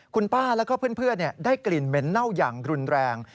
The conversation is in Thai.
คุณป้าแล้วก็เพื่อนได้กลิ่นเหม็นเน่าอย่างรุนแรง